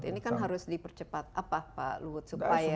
ini kan harus dipercepat apa pak luhut supaya